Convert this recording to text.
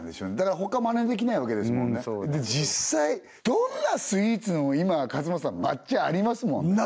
だから他まねできないわけですもんねで実際どんなスイーツでも今勝俣さん抹茶ありますもんね